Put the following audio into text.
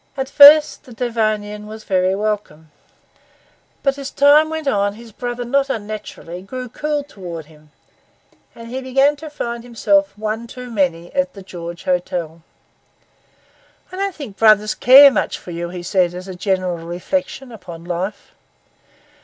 At first the Devonian was very welcome; but as time went on his brother not unnaturally grew cool towards him, and he began to find himself one too many at the 'George Hotel.' 'I don't think brothers care much for you,' he said, as a general reflection upon life.